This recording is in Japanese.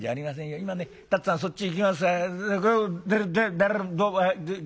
今ね辰つぁんそっち行きます」。